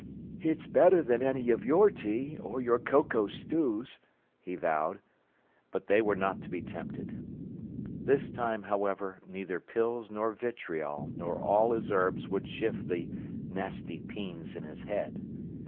"It's better than any of your tea or your cocoa stews," he vowed. But they were not to be tempted. This time, however, neither pills nor vitriol nor all his herbs would shift the "nasty peens in his head".